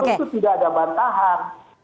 itu tidak ada bantahan